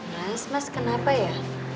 mas mas kenapa ya